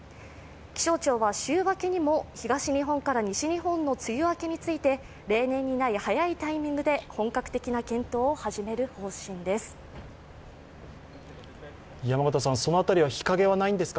気象庁は週明けにも東日本から西日本の梅雨明けについて例年にない早いタイミングで本格的な検討を始める方針です。